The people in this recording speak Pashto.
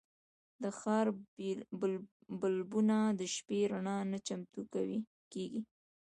د ښار بلبونه د شپې رڼا ته چمتو کېږي.